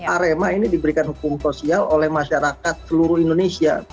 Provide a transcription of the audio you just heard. arema ini diberikan hukum sosial oleh masyarakat seluruh indonesia